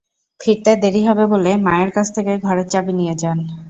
ফিরতে দেরি হবে বলে মায়ের কাছ থেকে ঘরের চাবি নিয়ে যান।